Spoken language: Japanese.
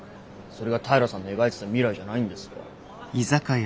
それが平さんの描いてた未来じゃないんですか？